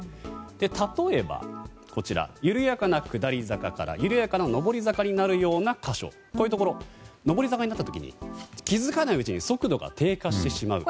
例えば、緩やかな下り坂から緩やかな上り坂になるような箇所上り坂になった時に気づかずに速度が低下してしまう。